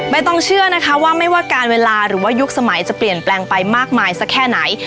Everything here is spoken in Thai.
ต้องเชื่อนะคะว่าไม่ว่าการเวลาหรือว่ายุคสมัยจะเปลี่ยนแปลงไปมากมายสักแค่ไหน